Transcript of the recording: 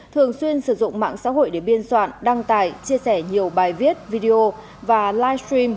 thường xuyên sử dụng mạng xã hội để biên soạn đăng tải chia sẻ nhiều bài viết video và livestream